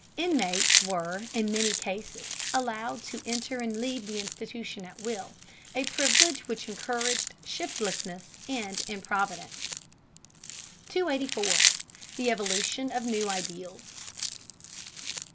Inmates were in many cases allowed to enter and leave the institution at will, a privilege which encouraged shiftlessness and improvidence. 284. THE EVOLUTION OF NEW IDEALS.